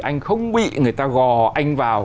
anh không bị người ta gò anh vào